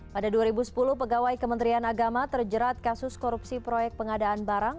pada dua ribu sepuluh pegawai kementerian agama terjerat kasus korupsi proyek pengadaan barang